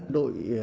đội phòng ngừa